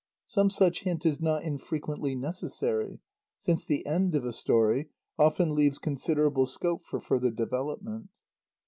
Some such hint is not infrequently necessary, since the "end" of a story often leaves considerable scope for further development.